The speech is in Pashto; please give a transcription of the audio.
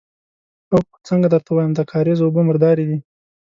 اوف! څنګه درته ووايم، د کارېزه اوبه مردارې دي.